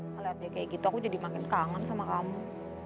ngelihat dia kayak gitu aku jadi makin kangen sama kamu